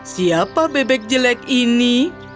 siapa bebek jelek ini